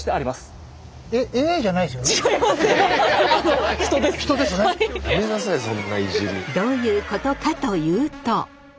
どういうことかというと。